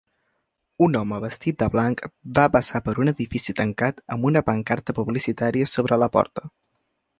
Un home vestit de blanc va passar per un edifici tancat amb una pancarta publicitària sobre la porta.